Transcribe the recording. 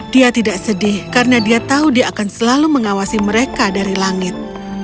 dia tidak sedih karena dia tahu dia akan selalu mengawasi mereka dari langit